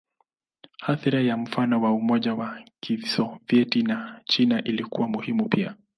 Athira ya mfano wa Umoja wa Kisovyeti na China ilikuwa muhimu pia.